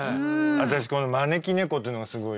私この「招き猫」っていうのがすごい。